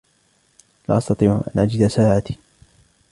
لا أستطيع أن أجد ساعتي.